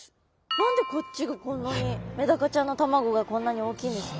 何でこっちがこんなにメダカちゃんの卵がこんなに大きいんですか？